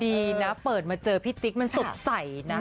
ดีนะเปิดมาเจอพี่ติ๊กมันสดใสนะ